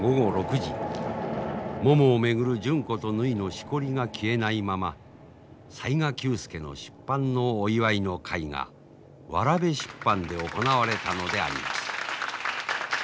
ももを巡る純子とぬひのしこりが消えないまま雑賀久助の出版のお祝いの会がわらべ出版で行われたのであります。